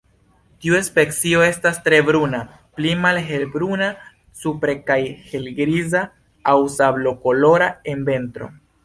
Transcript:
Tiu specio estas tre bruna, pli malhelbruna supre kaj helgriza aŭ sablokolora en ventro.